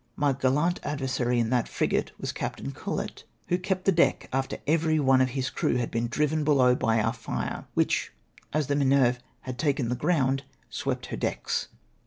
My gallant adversary in that frigate was Captain CoUett, who kept the deck after every one of his crew had been diiven below by our fire, which, as the Minerve had taken the ground, swept her decks.